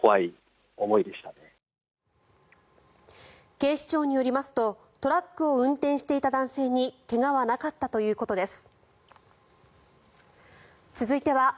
警視庁によりますとトラックを運転していた男性に怪我はなかったということです。